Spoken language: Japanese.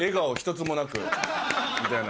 みたいな。